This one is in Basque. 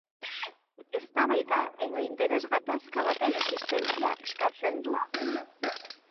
Eztabaida edo interes-gatazka baten existentzia eskatzen du.